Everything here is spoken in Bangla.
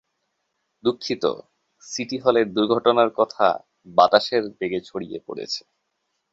দুঃখিত, সিটি হলের দূর্ঘটনার কথা বাতাসের বেগে ছড়িয়ে পড়েছে।